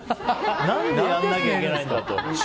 何でやらなきゃいけないんだと。